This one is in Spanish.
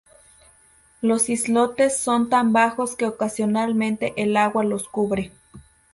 Los islotes son tan bajos que ocasionalmente el agua los cubre.